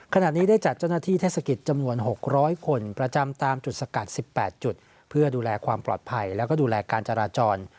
ขณะนี้ได้จัดเจ้าหน้าที่เทศกิจจำนวน๖๐๐คนประจำตามจุดสกัด๑๘จุดเพื่อดูแลความปลอดภัยแล้วก็ดูแลการจราจร